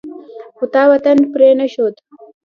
خو تا وطن پرې نه ښود.